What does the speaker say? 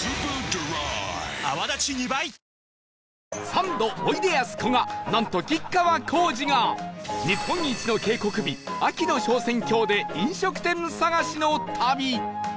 サンドおいでやすこがなんと吉川晃司が日本一の渓谷美秋の昇仙峡で飲食店探しの旅